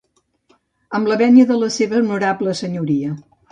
Amb la venia de la seva honorable senyoria.